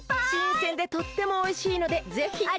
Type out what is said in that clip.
しんせんでとってもおいしいのでぜひ。